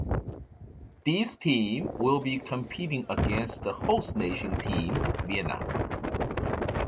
These team will be competing against the host nation team Vietnam.